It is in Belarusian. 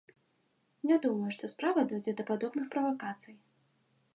Не думаю, што справа дойдзе да падобных правакацый.